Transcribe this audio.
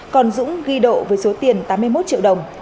còn dũng ghi độ với số tiền tám mươi một triệu đồng